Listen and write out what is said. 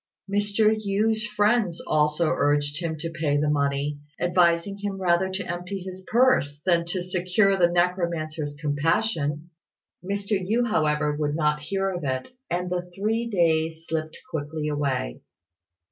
Mr. Yü's friends also urged him to pay the money, advising him rather to empty his purse than not secure the necromancer's compassion. Mr. Yü, however, would not hear of it and the three days slipped quickly away.